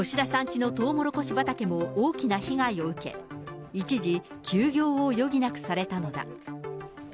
ちのトウモロコシ畑も大きな被害を受け、一時、休業を余儀なくされたのだ。